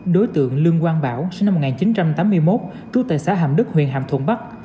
đối tượng lương quang bảo sinh năm một nghìn chín trăm tám mươi một trú tại xã hàm đức huyện hàm thuận bắc